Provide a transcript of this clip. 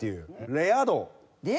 レア度？